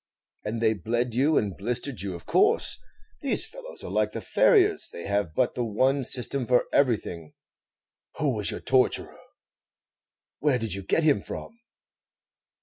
"And they bled you and blistered you, of course. These fellows are like the farriers they have but the one system for everything. Who was your torturer; where did you get him from?"